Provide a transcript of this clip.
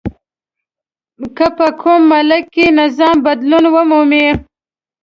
که په کوم ملک کې نظام بدلون ومومي.